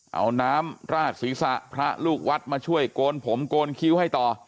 เอาน้ำราดศีรษะพระลูกวัดมาช่วยโกนผมโกนคิ้วให้ต่อ